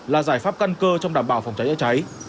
là giải pháp căn cơ trong đảm bảo phòng cháy cháy